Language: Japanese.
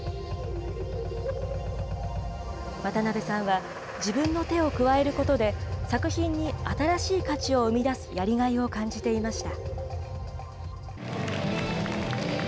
渡邊さんは自分の手を加えることで、作品に新しい価値を生み出すやりがいを感じていました。